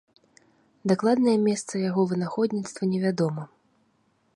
Дакладнае месца яго вынаходніцтва невядома.